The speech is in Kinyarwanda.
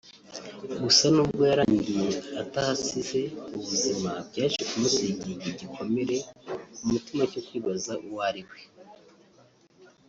gusa nubwo yarangiye atahasize ubuzima byaje kumusigira igikomere ku mutima cyo kwibaza uwo ari we